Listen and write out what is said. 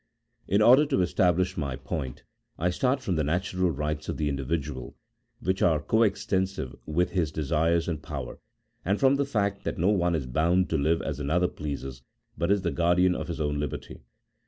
In order to establish my point, I start from the natural rights of the individual, which are co extensive with his desires and power, and from the fact that no one is bound to live as another pleases, but is the guardian of his own liberty.